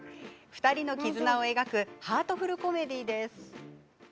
２人の絆を描くハートフルコメディーです。